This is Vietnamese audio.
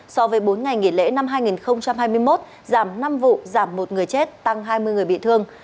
so với bốn ngày nghỉ lễ năm hai nghìn hai mươi một giảm năm vụ giảm một người chết tăng hai mươi người bị thương